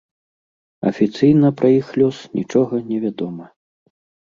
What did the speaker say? Афіцыйна пра іх лёс нічога невядома.